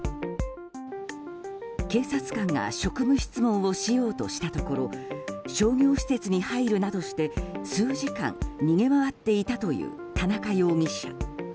警察官が職務質問をしようとしたところ商業施設に入るなどして数時間逃げ回っていたという田中容疑者。